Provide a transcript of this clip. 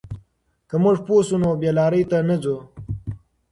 که موږ پوه شو، نو بې لارۍ ته نه ځو.